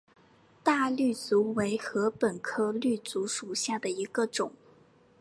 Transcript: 大绿竹为禾本科绿竹属下的一个种。